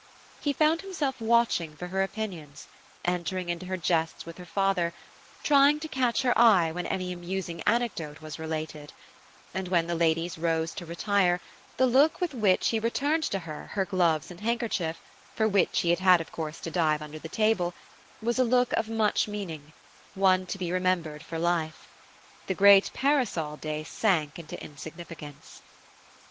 He found himself watching for her opinions, entering into her jests with her father, trying to catch her eye when any amusing anecdote was related; and when the ladies rose to retire, the look with which he returned to her her gloves and handkerchief, for which he had had of course to dive under the table, was a look of much meaning, one to be remembered for life. The great parasol day sank into insignificance.